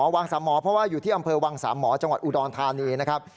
วังสามหมอเพราะว่าอยู่ที่อำเภอวังสามหมอจังหวัดอุดรธานีนะครับ